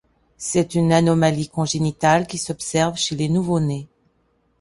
C'est une anomalie congénitale qui s'observe chez les nouveaux-nés.